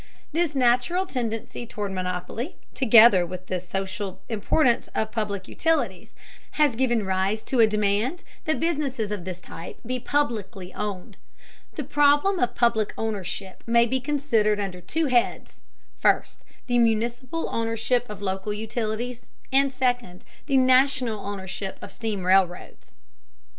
This natural tendency toward monopoly, together with the social importance of public utilities, has given rise to a demand that businesses of this type be publicly owned. The problem of public ownership may be considered under two heads: first, the municipal ownership of local utilities; and, second, the national ownership of steam railroads.